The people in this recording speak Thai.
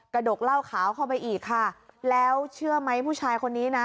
ดกเหล้าขาวเข้าไปอีกค่ะแล้วเชื่อไหมผู้ชายคนนี้นะ